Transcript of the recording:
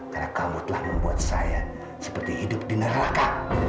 karena kamu telah membuat saya seperti hidup di neraka